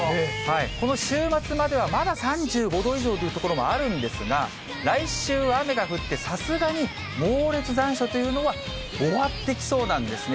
この週末までは、まだ３５度以上という所もあるんですが、来週、雨が降って、さすがに猛烈残暑というのは終わってきそうなんですね。